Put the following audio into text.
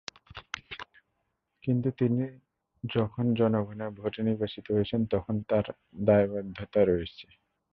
কিন্তু তিনি যখন জনগণের ভোটে নির্বাচিত হয়েছেন, তখন তাঁর অনেক দায়বদ্ধতা রয়েছে।